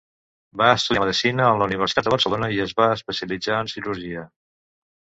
Va estudiar medicina a la Universitat de Barcelona i es va especialitzar en cirurgia.